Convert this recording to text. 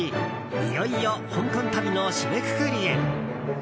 いよいよ香港旅の締めくくりへ。